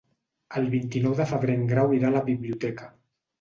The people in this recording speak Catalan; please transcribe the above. El vint-i-nou de febrer en Grau irà a la biblioteca.